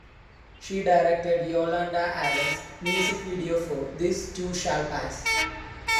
She directed Yolanda Adams's music video for "This Too Shall Pass".